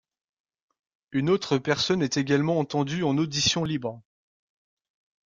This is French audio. Une autre personne est également entendue en audition libre.